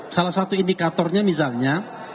salah satu indikatornya misalnya